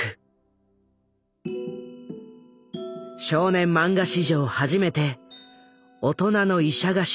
少年漫画史上初めて大人の医者が主人公になった。